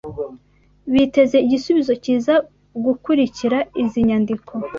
biteze igisubizo kiza gukurikira izi nyandiko